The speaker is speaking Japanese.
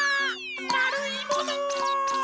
まるいもの！